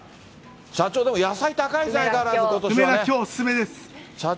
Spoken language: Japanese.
社長、でも野菜高いですね、相変梅がきょう、お勧めです。